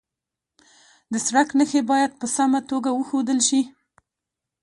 د سړک نښې باید په سمه توګه وښودل شي.